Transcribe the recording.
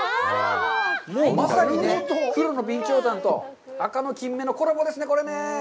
もうまさにね、黒の備長炭と赤のキンメのコラボですね、これね。